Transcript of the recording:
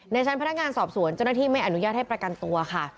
ชั้นพนักงานสอบสวนเจ้าหน้าที่ไม่อนุญาตให้ประกันตัวค่ะ